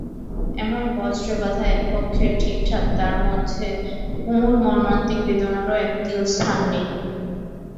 এমন বজ্রে-বাঁধা একপক্ষের ঠিকঠাক, তার মধ্যে কুমুর মর্মান্তিক বেদনারও এক তিল স্থান নেই।